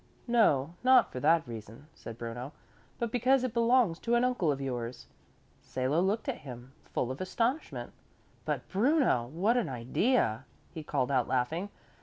"No, not for that reason," said Bruno, "but because it belongs to an uncle of yours." Salo looked at him, full of astonishment. "But Bruno, what an idea!" he called out laughing.